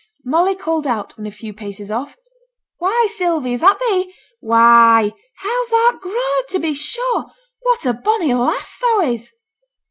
Molly called out, when a few paces off, 'Why, Sylvia, is that thee! Why, how thou'rt growed, to be sure! What a bonny lass thou is!'